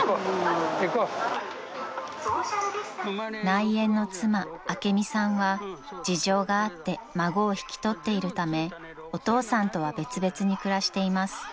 ［内縁の妻朱美さんは事情があって孫を引き取っているためお父さんとは別々に暮らしています］